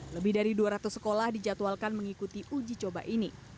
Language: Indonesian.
lebih dari dua ratus sekolah dijadwalkan mengikuti uji coba ini